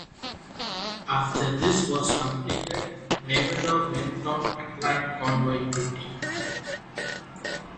After this was completed, "Nevada" went on Atlantic convoy duty.